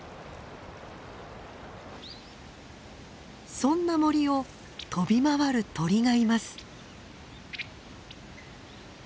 そんな森を飛び回る鳥がいます。